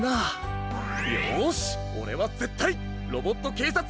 よしオレはぜったいロボットけいさつ